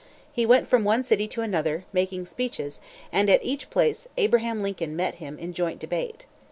He went from one city to another, making speeches; and at each place Abraham Lincoln met him in joint debate.